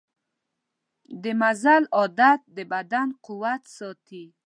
د مزل عادت د بدن قوت ساتي.